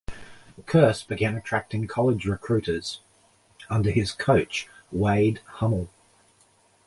Kearse began attracting college recruiters under his coach Wade Hummel.